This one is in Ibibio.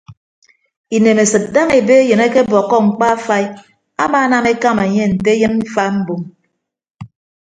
Inemesịd daña ebe eyịn akebọkkọ mkpa afai amaanam ekama enye nte eyịn mfa mbom.